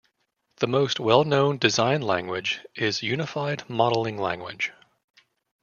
The most well known design language is Unified Modeling Language.